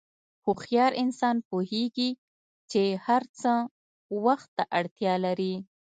هوښیار انسان پوهېږي چې هر څه وخت ته اړتیا لري.